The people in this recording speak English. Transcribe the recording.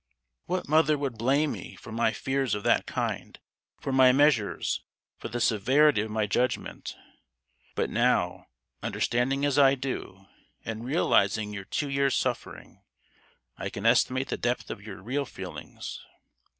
"What mother would blame me for my fears of that kind, for my measures, for the severity of my judgment? But now, understanding as I do, and realizing your two years' sufferings, I can estimate the depth of your real feelings.